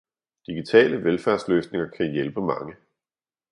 digitale velfærdsløsninger kan hjælpe mange